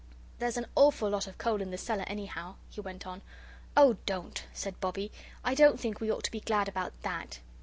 "There's an awful lot of coal in the cellar, anyhow," he went on. "Oh, don't!" said Bobbie. "I don't think we ought to be glad about THAT."